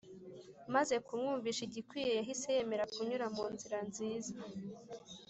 Maze kumwumvisha igikwiye yahise yemera kunyura mu nzira nziza